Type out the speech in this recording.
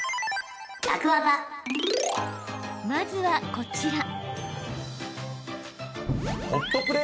まずは、こちら。